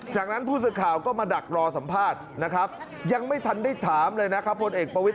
จากนั้นผู้สื่อข่าวก็มาดักรอสัมภาษณ์นะครับยังไม่ทันได้ถามเลยนะครับพลเอกประวิทย